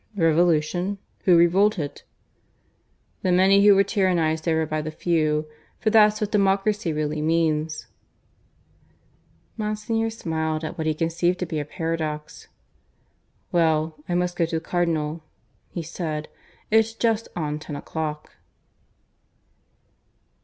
"Revolution? Who revolted?" "The many who were tyrannised over by the few. For that's what democracy really means." Monsignor smiled at what he conceived to be a paradox. "Well, I must go to the Cardinal," he said. "It's just on ten o'clock."